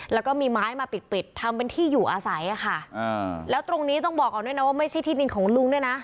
แล้วก็มีไม้มาปิดปิดทำเป็นที่อยู่อาศัยอะค่ะอ่าแล้วตรงนี้ต้องบอกก่อนด้วยนะว่าไม่ใช่ที่ดินของลุงด้วยนะ